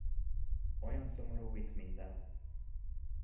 Olyan szomorú itt minden!